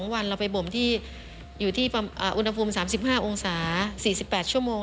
วันเราไปบ่มที่อยู่ที่อุณหภูมิ๓๕องศา๔๘ชั่วโมง